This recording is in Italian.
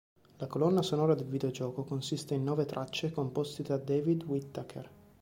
La colonna sonora del videogioco consiste in nove tracce composte da David Whittaker.